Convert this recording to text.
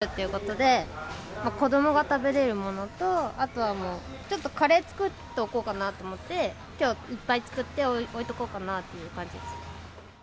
一応、台風が来るということで、子どもが食べれるものと、あとはもう、ちょっとカレー作っておこうかなと思って、きょういっぱい作っておいとこうかなという感じです。